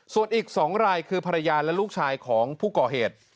ส่วนอีก๒รายคือภรรยาและลูกชายของผู้ก่อเหตุ